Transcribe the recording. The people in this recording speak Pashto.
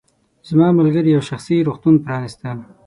زما ملګرې یو شخصي روغتون پرانیسته.